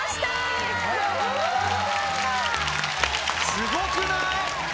すごくない？